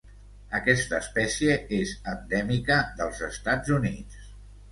Aquesta espècie és endèmica dels Estats Units.